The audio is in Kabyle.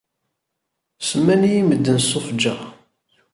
Semman-iyi medden sufğeɣ.